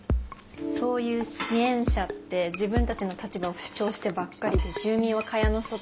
そういう支援者って自分たちの立場を主張してばっかりで住民は蚊帳の外。